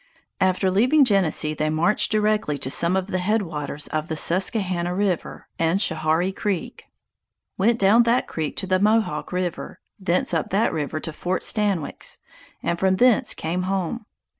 After leaving Genesee they marched directly to some of the head waters of the Susquehannah river, and Schoharie Creek, went down that creek to the Mohawk river, thence up that river to Fort Stanwix, and from thence came home.